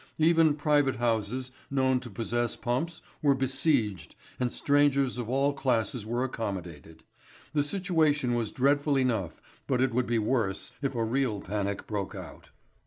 Even private houses known to possess pumps were besieged and strangers of all classes were accommodated. The situation was dreadful enough but it would be worse if a real panic broke out.